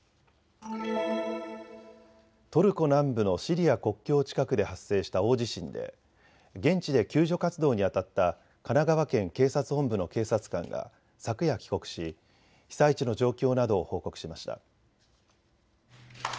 トルコ南部のシリア国境近くで発生した大地震で現地で救助活動にあたった神奈川県警察本部の警察官が昨夜帰国し被災地の状況などを報告しました。